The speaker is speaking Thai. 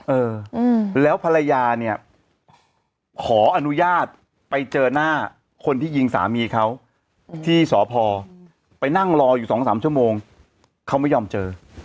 เออแล้วภรรยาเนี่ยขออนุญาตไปเจอหน้าคนที่ยิงสามีเขาที่สพไปนั่งรออยู่สองสามชั่วโมงเขาไม่ยอมเจอ